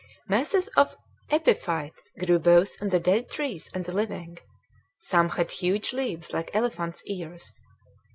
Masses of epiphytes grew both on the dead trees and the living; some had huge leaves like elephants' ears.